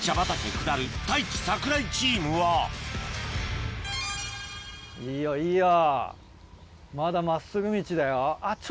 下る太一・櫻井チームはいいよいいよまだ真っすぐ道だよ。